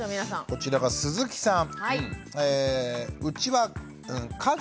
こちらが鈴木さん。